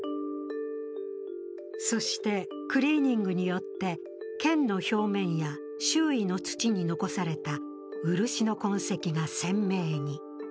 そしてクリーニングによって剣の表面や周囲の土に残された漆の痕跡が鮮明に。